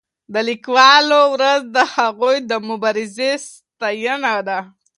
د لیکوالو ورځ د هغوی د مبارزې ستاینه ده.